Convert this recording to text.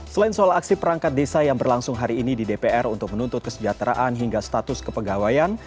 selain soal aksi perangkat desa yang berlangsung hari ini di dpr untuk menuntut kesejahteraan hingga status kepegawaian